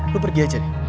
lo pergi aja deh